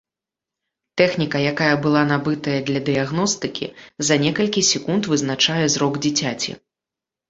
Тэхніка, якая была набытыя для дыягностыкі, за некалькі секунд вызначае зрок дзіцяці.